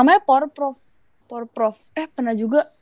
namanya por prof por prof eh pernah juga